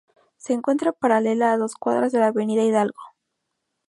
Se encuentra paralela a dos cuadras de la Avenida Hidalgo.